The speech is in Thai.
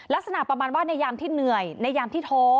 ลักษณะประมาณว่าในยามที่เหนื่อยในยามที่ท้อ